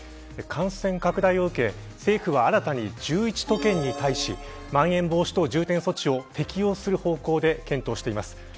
感染拡大を受け、政府は新たに１１都県に対しまん延防止等重点措置を適用する方向で検討しています。